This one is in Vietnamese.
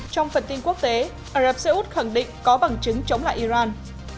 trong phần tin quốc tế ả rập xê út khẳng định có bằng chứng chống lại iran